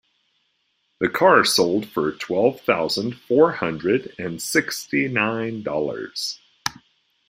The car sold for twelve thousand four hundred and sixty nine dollars.